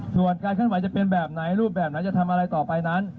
ส่วนการเคลื่อนไหวจะเป็นแบบไหนรูปแบบไหนจะทำอะไรต่อไปนั้น